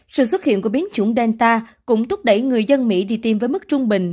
sự xuất hiện của biến chủng delta cũng thúc đẩy người dân mỹ đi tiêm với mức trung bình